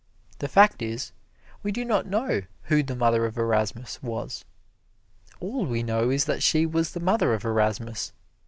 The fact is, we do not know who the mother of Erasmus was. All we know is that she was the mother of Erasmus.